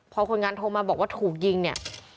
พอคนงานโทรมาบอกว่าถูกยิงเนี่ย